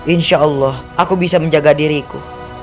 insyaallah aku bisa menjaga diriku